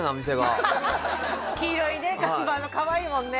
黄色いね看板のかわいいもんね